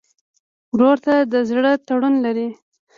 ورور ته د زړه تړون لرې.